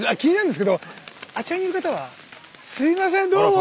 すいませんどうも。